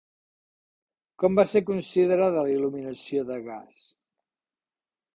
Com va ser considerada la il·luminació de gas?